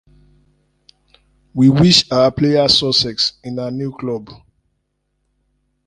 We wish our player success in her new club.